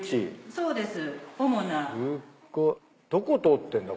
そうです。